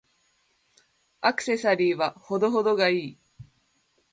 アクセサリーは程々が良い。